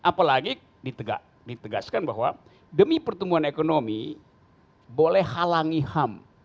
apalagi ditegaskan bahwa demi pertumbuhan ekonomi boleh halangi ham